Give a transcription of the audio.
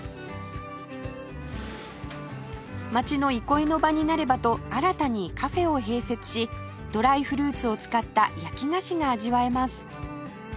街の憩いの場になればと新たにカフェを併設しドライフルーツを使った焼き菓子が味わえます